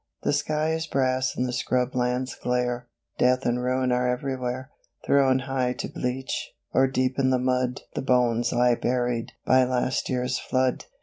_The sky is brass and the scrub lands glare, Death and ruin are everywhere; Thrown high to bleach, or deep in the mud The bones lie buried by last year's flood.